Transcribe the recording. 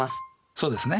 そうですね。